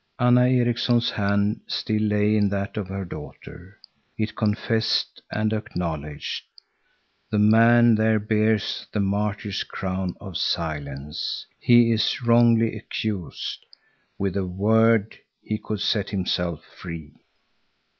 Anna Erikson's hand still lay in that of her daughter. It confessed and acknowledged: "The man there bears the martyr's crown of silence. He is wrongly accused. With a word he could set himself free."